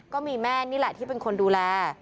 ก็มีแม่นี่แหละที่เป็นคนดูแล